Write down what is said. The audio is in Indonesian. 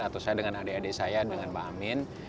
atau saya dengan adik adik saya dengan pak amin